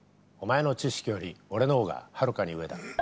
お前の知識より俺のほうがはるかに上だ。